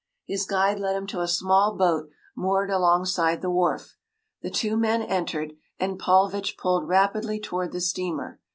His guide led him to a small boat moored alongside the wharf. The two men entered, and Paulvitch pulled rapidly toward the steamer.